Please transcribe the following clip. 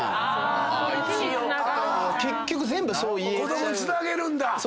子供につなげるんだ。